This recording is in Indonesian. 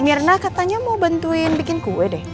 mirna katanya mau bantuin bikin kue deh